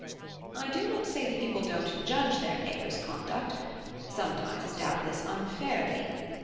I do not say that people don't judge their neighbours' conduct, sometimes, doubtless, unfairly.